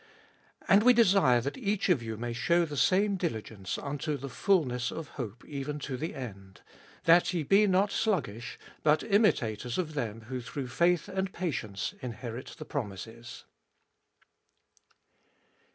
11. And we desire that each of you may show the same diligence unto the fulness of hope even to the end : 12. That ye be not sluggish, but imitators of them who through faith and patience1 inherit the promises.